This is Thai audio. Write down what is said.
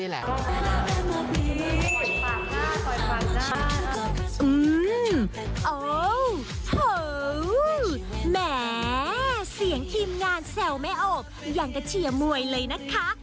แหมเสียงทีมงานแซวไม่ออกอย่างกับเชียร์มวยเลยนะคะ